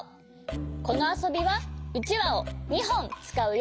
このあそびはうちわを２ほんつかうよ。